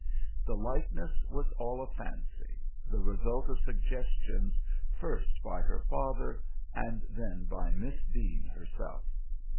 The likeness was all a fancy, the result of suggestions, first by her father and then by Miss Deane herself.